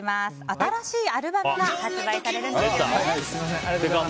新しいアルバムが発売されるんですよね。